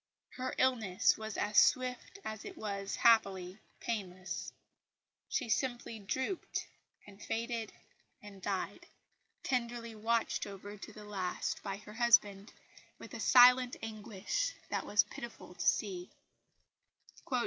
Her illness was as swift as it was, happily, painless. She simply drooped and faded and died, tenderly watched over to the last by her husband with a silent anguish that was pitiful to see.